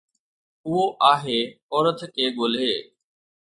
اهو آهي، عورت کي ڳولي.